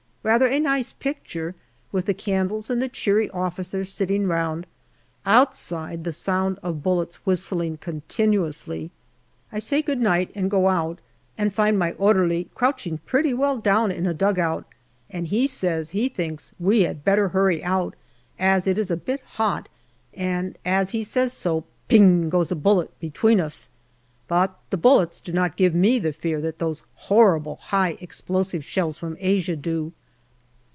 Rather a nice picture, with the candles and the cheery officers sitting round ; outside, the sound of bullets whistling continuously. I say good night and go out, and find my orderly crouching pretty well down in a dugout, and he says he thinks we had better hurry out, as it is a bit hot, and as he says so, " ping " goes a bullet between us. But the bullets do not give me the fear that those horrible high explosive shells from Asia do.